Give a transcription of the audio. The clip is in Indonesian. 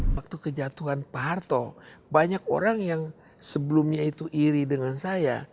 waktu kejatuhan pak harto banyak orang yang sebelumnya itu iri dengan saya